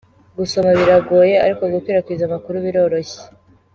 Gusoma biragoye, ariko gukwirakwiza amakuru biroroshye.